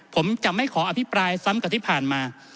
ผมจะไม่ขออภิปรายซ้ำกับที่ผ่านมา